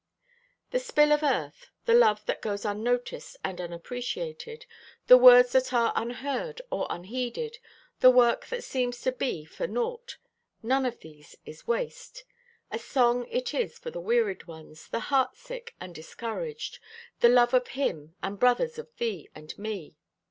The spill of earth, the love that goes unnoticed and unappreciated, the words that are unheard or unheeded, the work that seems to be for naught—none of these is waste. A song it is for the wearied ones, the heart sick and discouraged, "the loved of Him and brothers of thee and me."